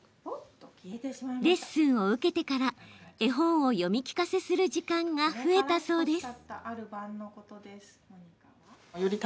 レッスンを受けてから絵本を読み聞かせする時間が増えたそうです。